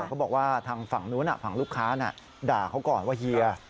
เขาบอกว่าทางฝั่งนู้นฝั่งลูกค้าด่าเขาก่อนว่าเฮีย